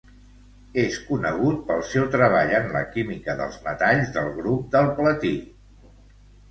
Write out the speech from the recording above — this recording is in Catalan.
És conegut pel seu treball en la química dels metalls del grup del platí.